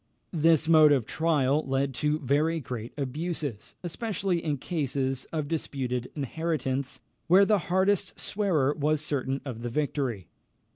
This mode of trial led to very great abuses, especially in cases of disputed inheritance, where the hardest swearer was certain of the victory.